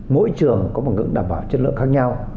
mỗi trường có một ngưỡng đảm bảo chất lượng khác nhau